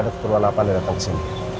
ada keturunan apa yang datang kesini